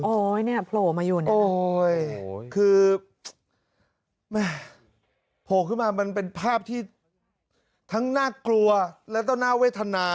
โอ๊ยเนี่ยโผล่มาอยู่โอ๊ยคือโผล่ขึ้นมามันเป็นภาพที่ทั้งน่ากลัวและต้อน่าเวทนา